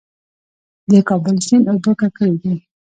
د کابل سیند اوبه ککړې دي؟